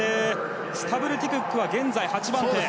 スタブルティ・クックは現在８番手。